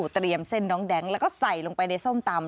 เส้นน้องแดงแล้วก็ใส่ลงไปในส้มตำ